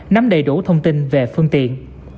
nắm đầy đủ thông tin về phương tiện